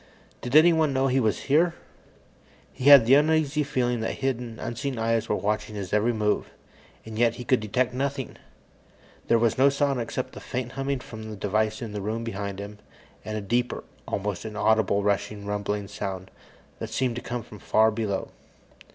Did anyone know he was here? He had the uneasy feeling that hidden, unseen eyes were watching his every move, and yet he could detect nothing. There was no sound except the faint humming from the device in the room behind him, and a deeper, almost inaudible, rushing, rumbling sound that seemed to come from far below.